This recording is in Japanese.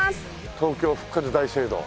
東京復活大聖堂。